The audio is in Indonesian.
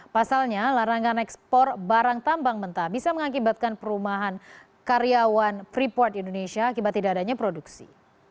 pasalnya larangan ekspor barang tambang mentah bisa mengakibatkan perumahan karyawan freeport indonesia akibat tidak adanya produksi